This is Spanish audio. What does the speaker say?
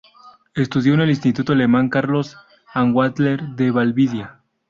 Estudió en el Instituto Alemán Carlos Anwandter de Valdivia.